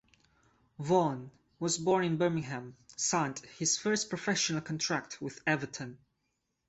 Vaughan, who was born in Birmingham, signed his first professional contract with Everton.